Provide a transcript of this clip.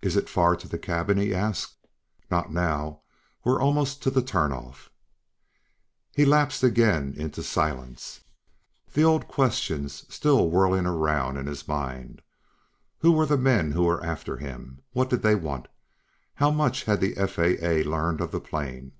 "Is it far to the cabin?" He asked. "Not now. We're almost to the turn off." He lapsed again into silence, the old questions still whirling about in his mind. Who were the men who were after him? What did they want? How much had the FAA learned of the plane?